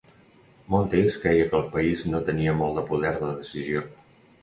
Montes creia que el país no tenia molt de poder de decisió.